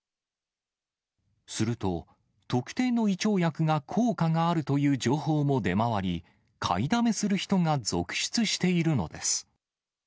すると、特定の胃腸薬が効果があるという情報も出回り、買いだめする人が続出しているのです。